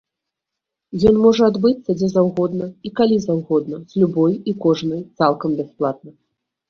Ён можа адбыцца дзе заўгодна і калі заўгодна, з любой і кожнай, цалкам бясплатна.